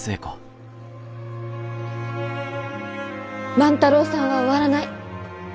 万太郎さんは終わらない！